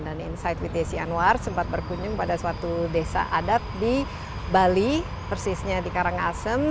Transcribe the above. dan inside with ac anwar sempat berkunjung pada suatu desa adat di bali persisnya di karangasem